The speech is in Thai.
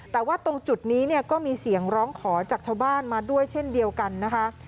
แต่ว่าตรงจุดนี้เนี่ยก็มีเสียงร้องขอจากชาวบ้านมาด้วยเช่นเดียวกันนะคะ